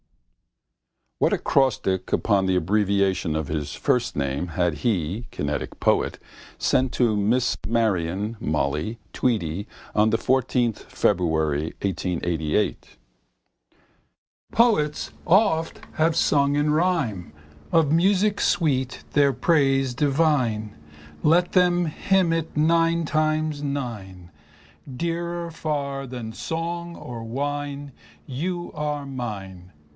What acrostic upon the abbreviation of his first name had he (kinetic poet) sent to Miss Marion (Molly) Tweedy on the 14 February 1888? Poets oft have sung in rhyme Of music sweet their praise divine. Let them hymn it nine times nine. Dearer far than song or wine. You are mine.